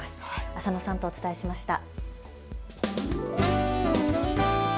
浅野さんとお伝えしました。